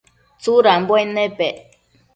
Tsudambuen nepec ?